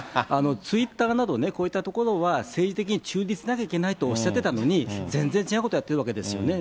ツイッターなどで、こういったところは、政治的に中立じゃなきゃいけないとおっしゃってたのに、全然違うことやってるわけですよね。